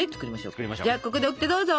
じゃあここでオキテどうぞ！